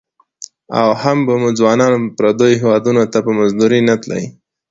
او هم به مو ځوانان پرديو هيوادنو ته په مزدورۍ نه تلى.